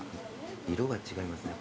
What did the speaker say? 色が違いますね